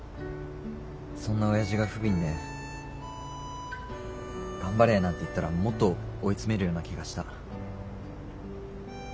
そんな親父が不憫で「頑張れ」なんて言ったらもっと追い詰めるような気がした。